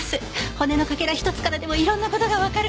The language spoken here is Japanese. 骨のかけら１つからでも色んな事がわかる。